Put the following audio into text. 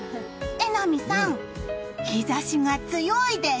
榎並さん、日差しが強いです。